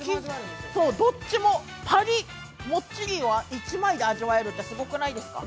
どっちも張り、もっちりを１枚で味わえるってすごくないですか。